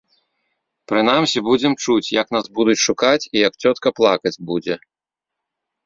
Прынамсі, будзем чуць, як нас будуць шукаць і як цётка плакаць будзе.